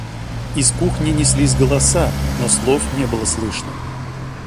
Из кухни неслись голоса, но слов не было слышно.